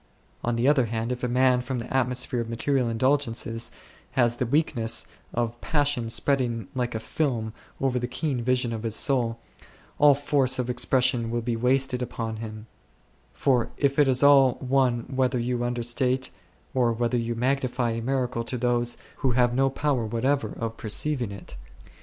On the other hand, if a man from the atmosphere of material indul gences has the weakness of passion spreading like a film over the keen vision of his soul, all force of expression will be wasted upon him ; for it is all one whether you understate or whether you magnify a miracle to those who have no power whatever of perceiving it7.